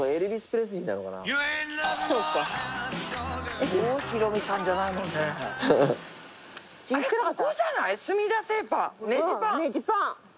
ネジパン。